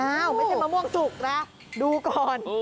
ไม่ใช่มะม่วงจุกนะดูก่อน